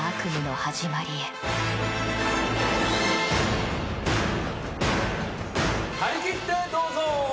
はりきってどうぞ！